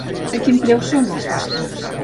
A quin preu són els festucs?